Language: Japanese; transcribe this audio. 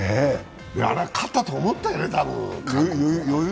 あれは勝ったと思ったよね、韓国。